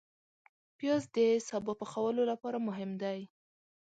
پیاز د سابه پخولو لپاره مهم دی